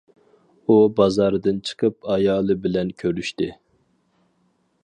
ئۇ بازاردىن چىقىپ ئايالى بىلەن كۆرۈشتى.